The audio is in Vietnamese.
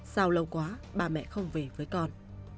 sao lâu quá bà mẹ không về với con